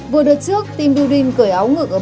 vừa đợt trước team building cởi áo ngực ở bãi biển